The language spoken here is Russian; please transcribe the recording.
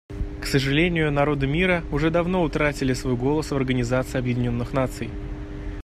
К сожалению, народы мира уже давно утратили свой голос в Организации Объединенных Наций.